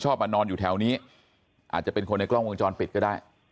มานอนอยู่แถวนี้อาจจะเป็นคนในกล้องวงจรปิดก็ได้